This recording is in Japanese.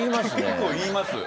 結構言います。